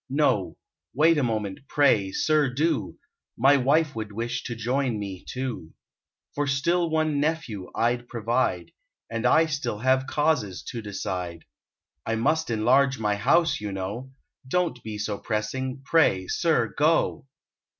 No; wait a moment, pray, sir, do; My wife would wish to join me, too. For still one nephew I'd provide: And I have causes to decide. I must enlarge my house, you know. Don't be so pressing, pray, sir, go."